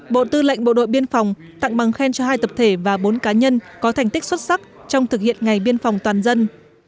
bộ tư lệnh bộ đội biên phòng tặng bằng khen cho hai tập thể và bốn cá nhân có thành tích xuất sắc trong thực hiện ngày biên phòng toàn dân